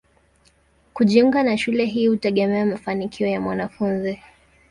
Kujiunga na shule hii hutegemea mafanikio ya mwanafunzi.